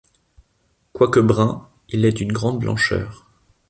Quoique brun, il est d’une grande blancheur.